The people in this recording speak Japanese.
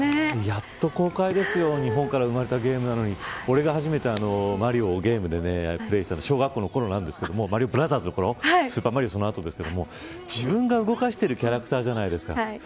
やっと公開ですよ日本から生まれたゲームなのに俺が初めてマリオゲームでプレーしたのは小学校のときスーパーマリオブラザーズのときですけど自分が動かしてるキャラクターじゃないですか。